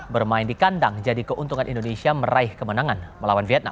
bermain di kandang jadi keuntungan indonesia meraih kemenangan melawan vietnam